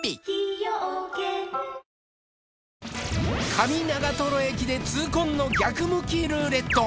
上長駅で痛恨の逆向きルーレット。